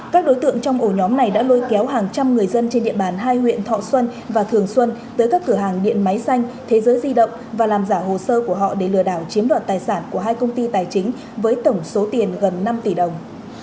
các đối tượng trong ổ nhóm này đã lôi kéo hàng trăm người dân trên địa bàn hai huyện thọ xuân và thường xuân tới các cửa hàng điện máy xanh thế giới di động và làm giả hồ sơ của họ để lừa đảo chiếm đoạt tài sản của hai công ty tài chính với tổng số tiền gần năm tỷ đồng